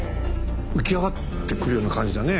浮き上がってくるような感じだね